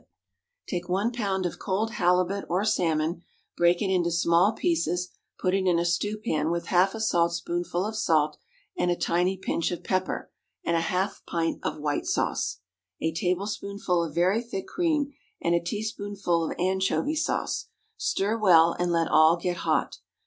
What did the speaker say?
_ Take one pound of cold halibut or salmon; break it into small pieces; put it in a stewpan with half a saltspoonful of salt and a tiny pinch of pepper, and half a pint of white sauce, a tablespoonful of very thick cream, and a teaspoonful of anchovy sauce; stir well, and let all get hot.